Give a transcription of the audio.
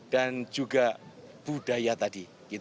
dan juga budaya tadi